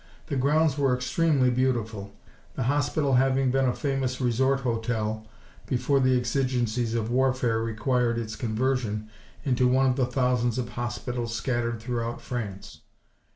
The grounds were extremely beautiful, the hospital having been a famous resort hotel before the exigencies of warfare required its conversion into one of the thousands of hospitals scattered throughout France.